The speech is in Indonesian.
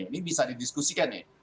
ini bisa didiskusikan nih